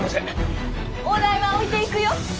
お代は置いていくよ。